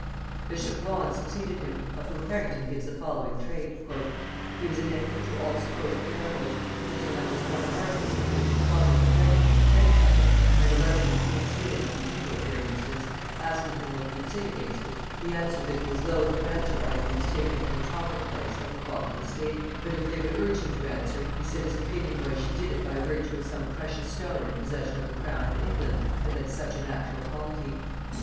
] Bishop Vaughan succeeded him, of whom Harrington gives the following trait: "He was an enemy to all supposed miracles, insomuch as one arguing with him in the closet at Greenwich in defence of them, and alleging the queen's healing of the evil for an instance, asking him what he could say against it, he answered, that he was loth to answer arguments taken from the topic place of the cloth of estate; but if they would urge him to answer, he said his opinion was, she did it by virtue of some precious stone in possession of the crown of England that had such a natural quality.